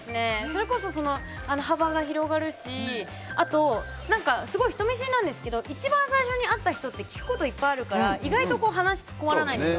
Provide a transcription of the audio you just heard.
それこそ幅が広がるしすごい人見知りなんですけど一番最初にあった人って聞くこといろいろあるから意外と話に困らないです。